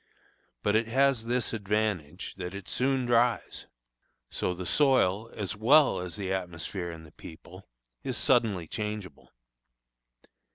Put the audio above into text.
But it has this advantage, that it soon dries. So the soil, as well as the atmosphere and the people, is suddenly changeable.